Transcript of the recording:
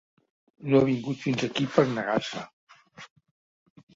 No ha vingut fins aquí per negar-se.